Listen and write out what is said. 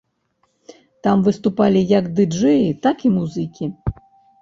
Там выступалі як ды-джэі, так і музыкі.